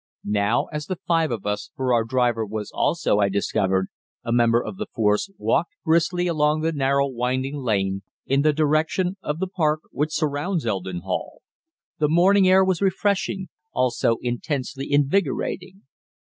Now, as the five of us for our driver was also, I discovered, a member of the force walked briskly along the narrow, winding lane in the direction of the park which surrounds Eldon Hall, the morning air was refreshing, also intensely invigorating.